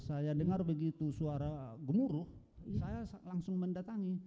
saya dengar begitu suara gemuruh saya langsung mendatangi